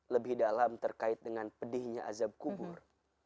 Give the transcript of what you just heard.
lebih dalam terkait dengan pedihnya azab kubur